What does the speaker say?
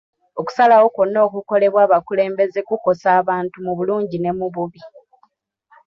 Okusalawo kwonna okukolebwa abakulembeze kukosa abantu mu bulungi ne mu bubi.